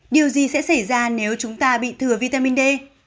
điều gì sẽ xảy ra nếu chúng ta bị thừa vitamin d